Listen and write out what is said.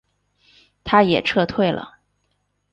他也撤退了。